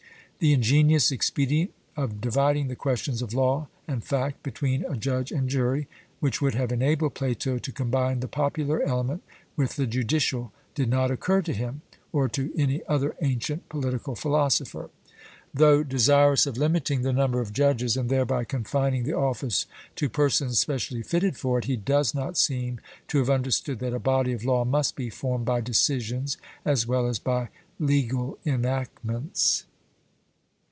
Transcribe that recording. The ingenious expedient of dividing the questions of law and fact between a judge and jury, which would have enabled Plato to combine the popular element with the judicial, did not occur to him or to any other ancient political philosopher. Though desirous of limiting the number of judges, and thereby confining the office to persons specially fitted for it, he does not seem to have understood that a body of law must be formed by decisions as well as by legal enactments.